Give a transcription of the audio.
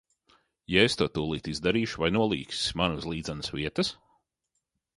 Ja es to tūlīt izdarīšu, vai nolīgsi mani uz līdzenas vietas?